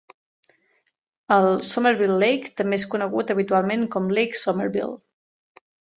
El Somerville Lake també és conegut habitualment com Lake Somerville.